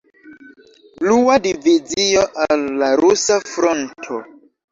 Blua Divizio al la Rusa Fronto.